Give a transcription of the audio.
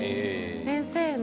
先生の。